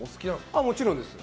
もちろんです。